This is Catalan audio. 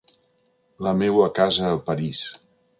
La meua casa a París.